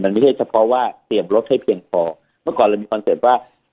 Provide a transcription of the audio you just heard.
มันไม่ใช่เฉพาะว่าเตรียมรถให้เพียงพอเมื่อก่อนมีความเกิดว่า